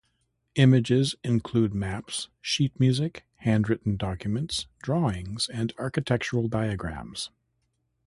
Images include maps, sheet music, handwritten documents, drawings and architectural diagrams.